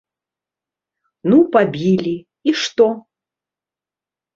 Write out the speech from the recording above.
Ну пабілі, і што?